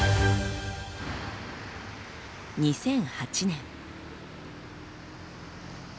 ２００８年。